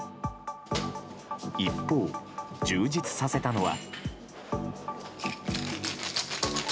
一方、充実させたのは。